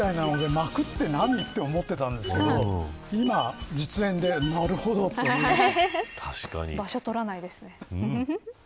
巻くって何って思ってたんですけど今、実演でなるほどと思いました。